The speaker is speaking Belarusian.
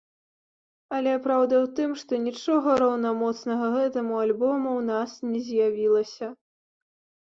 Але праўда ў тым, што нічога раўнамоцнага гэтаму альбому ў нас не з'явілася.